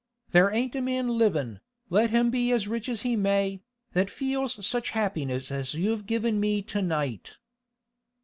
There ain't a man livin', let him be as rich as he may, that feels such happiness as you've given me to night.